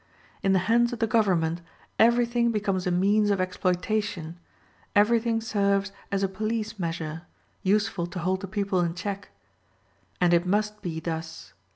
In the hands of the government everything becomes a means of exploitation, everything serves as a police measure, useful to hold the people in check. And it must be thus.